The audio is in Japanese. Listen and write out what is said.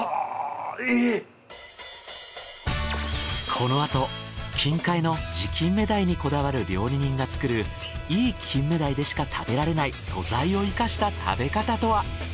このあと近海の地金目鯛にこだわる料理人が作るいい金目鯛でしか食べられない素材を活かした食べ方とは。